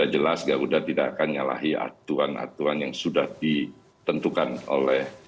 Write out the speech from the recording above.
jelas garuda tidak akan nyalahi aturan aturan yang sudah ditentukan oleh